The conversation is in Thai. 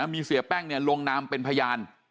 มีเสียแป้งลงนามเป็นพยาน